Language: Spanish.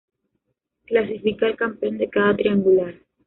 Clasifica el campeón de cada triangular.